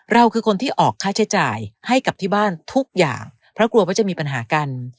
คือคนที่ออกค่าใช้จ่ายให้กับที่บ้านทุกอย่างเพราะกลัวว่าจะมีปัญหากัน